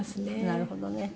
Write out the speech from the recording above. なるほどね。